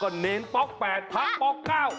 ก็เม้นป๊อกแปดธักป๊อกเก้า